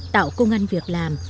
tạo công ăn việc làm